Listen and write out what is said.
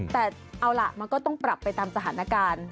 แต่เอาล่ะมันก็ต้องปรับไปตามสถานการณ์